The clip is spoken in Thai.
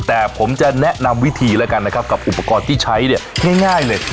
แต่ผมจะแนะนำวิธีแล้วกันนะครับกับอุปกรณ์ที่ใช้เนี่ยง่ายเลย